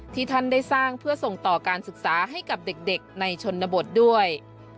ท่านได้สร้างเพื่อส่งต่อการศึกษาให้กับเด็กในชนบทด้วย